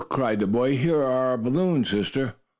cried the boy. "Here are our balloons, sister!"